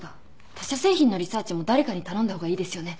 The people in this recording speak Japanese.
他社製品のリサーチも誰かに頼んだ方がいいですよね。